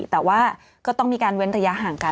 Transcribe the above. แต่ว่าก็ต้องมีการเว้นระยะห่างกัน